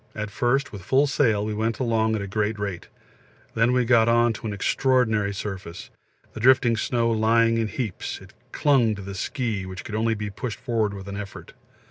At first with full sail we went along at a great rate; then we got on to an extraordinary surface, the drifting snow lying in heaps; it clung to the ski, which could only be pushed forward with an effort.